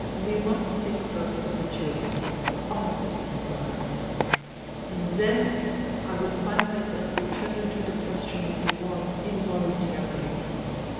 We must think first of the children. Always, Nikolai.' " And then I would find myself returning to the question of divorce involuntarily.